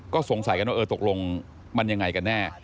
ก็สงสัยกันว่าเออตกลงมันยังไงกันแน่